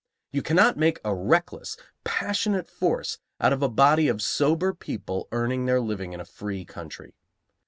You cannot make a reckless, passionate force out of a body of sober people earning their living in a free country.